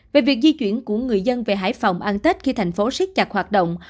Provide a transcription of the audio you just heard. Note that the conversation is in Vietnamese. về việc di chuyển của người dân về hải phòng ăn tết khi thành phố siết chặt hoạt động